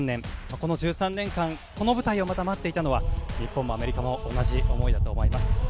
この１３年間この舞台をまた待っていたのは日本もアメリカも同じ思いだと思います。